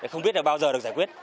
không biết là bao giờ được giải quyết